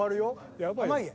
やばいよ。